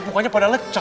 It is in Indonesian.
bukannya pada lecak